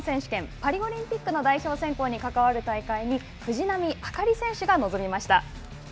パリオリンピックの代表選考に関わる大会に藤波朱理選手が臨みました。